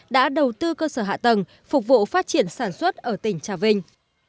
đã đầu tư cơ sở hạ tầng phục vụ phát triển sản xuất ở tỉnh trà vinh